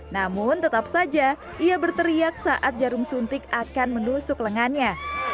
namun tetap saja ia berteriak saat jarum suntik akan menusuk lengannya